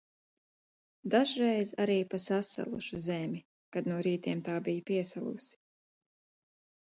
Dažreiz arī pa sasalušu zemi, kad no rītiem tā bija piesalusi.